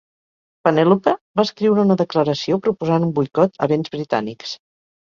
Penèlope va escriure una declaració proposant un boicot a béns britànics.